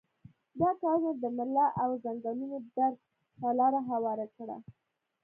دا کارونه د ملا او زنګنونو درد ته لاره هواره کړه.